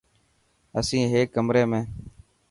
اسين هيڪ ڪمري ۾.